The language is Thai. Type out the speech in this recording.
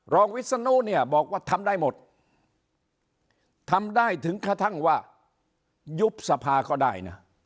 วิศนุเนี่ยบอกว่าทำได้หมดทำได้ถึงกระทั่งว่ายุบสภาก็ได้นะ